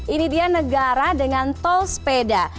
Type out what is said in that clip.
ini dia negara dengan tol sepeda